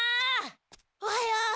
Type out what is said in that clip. おはよう。